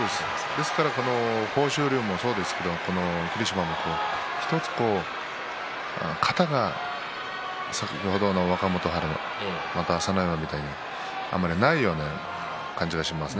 ですから豊昇龍もそうですが霧島も１つ型が先ほどの若元春、朝乃山みたいにないような感じがしますね。